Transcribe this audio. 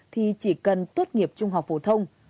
thì chỉ cần tuất nghiệp trung học phổ thông